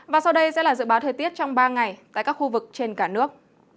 và sau đây sẽ là dự báo thời tiết trong ba ngày tại các khu vực trên cả nước